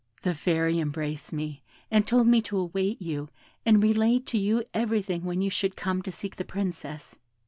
The Fairy embraced me, and told me to await you, and relate to you everything when you should come to seek the Princess.